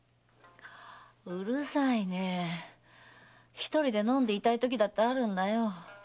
うるさいね一人で飲んでいたいときだってあるんだよ。